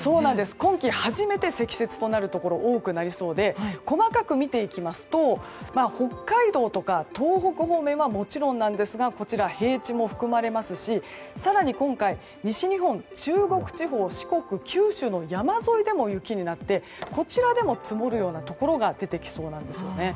今季初めて積雪となるところが多くなりそうで細かく見ていきますと北海道とか東北方面はもちろんなんですが平地も含まれますし更に今回西日本、中国地方、四国九州の山沿いでも雪になってこちらでも積もるようなところが出てきそうなんですよね。